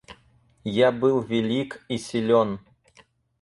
Я был велик и силён.